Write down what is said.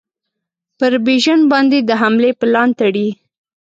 پر بیژن باندي د حملې پلان تړي.